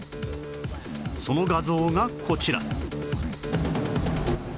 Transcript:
その画像がこちら